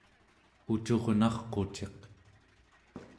ucurnarquciq